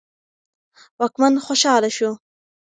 واکمن خوشاله شو.